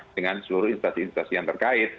dengan seluruh instasi instasi yang terkait